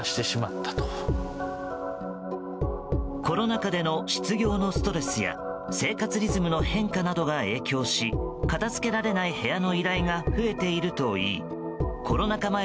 コロナ禍での失業のストレスや生活リズムの変化などが影響し片付けられない部屋の依頼が増えているといいコロナ禍